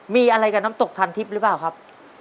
มีอะไรกับน้ำตกทันทิพย์หรือเปล่าครับ